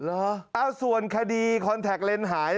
เอ้าส่วนคดีคอนแท็กเลนส์หาย